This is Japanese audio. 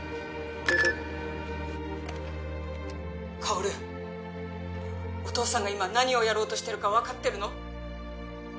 薫お父さんが今何をやろうとしてるか分かってるの？